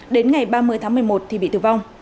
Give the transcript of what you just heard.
đến ngày ba mươi tháng một mươi một thì bị tử vong